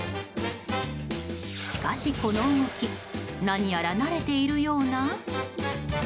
しかし、この動き何やら慣れているような。